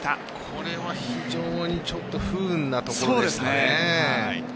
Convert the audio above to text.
これは非常にちょっと不運なところですね。